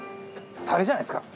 タレじゃないですか？